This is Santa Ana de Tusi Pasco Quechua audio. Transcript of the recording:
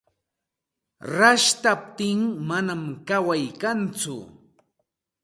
Rashtaptin manam kaway kantsu.